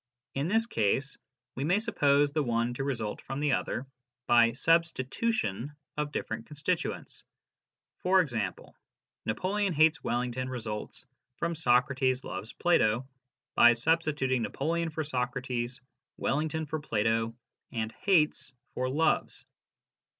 In this case, we may suppose the one to result from the other by substitution of different constituents. For example, " Napoleon hates Wellington " results from " Socrates loves Plato " by sub stituting Napoleon for Socrates, Wellington for Plato, and hates for loves.